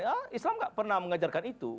ya islam nggak pernah mengajarkan itu